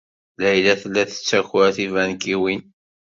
Layla tella tettaker tibankiwin.